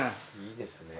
いいですね。